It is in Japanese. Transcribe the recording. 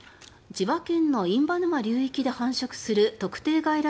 千葉県の印旛沼流域で繁殖する特定外来